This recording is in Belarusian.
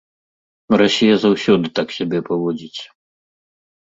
Расія заўсёды так сябе паводзіць.